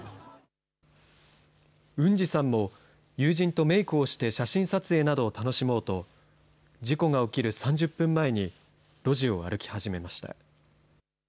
ウンジさんも友人とメイクをして写真撮影などを楽しもうと、事故が起きる３０分前に路地を歩き始めました。